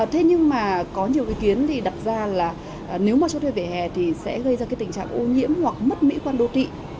thế nhưng mà có nhiều ý kiến thì đặt ra là nếu mà cho thuê về hè thì sẽ gây ra cái tình trạng ô nhiễm hoặc mất mỹ quan đô thị